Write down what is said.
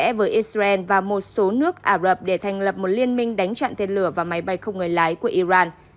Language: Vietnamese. mỹ đã hợp tác chặt chẽ với israel và một số nước ả rập để thành lập một liên minh đánh chặn tên lửa và máy bay không người lái của iran